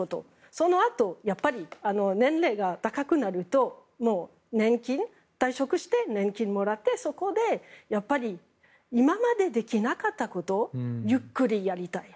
そのあとやっぱり年齢が高くなると退職して年金をもらってそこで、やっぱり今までできなかったことをゆっくりやりたい。